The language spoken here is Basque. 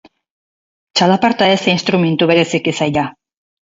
Txalaparta ez da instrumentu bereziki zaila.